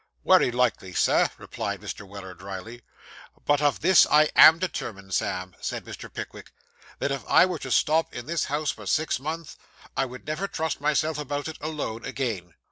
'Wery likely, Sir,' replied Mr. Weller drily. 'But of this I am determined, Sam,' said Mr. Pickwick; 'that if I were to stop in this house for six months, I would never trust myself about it, alone, again.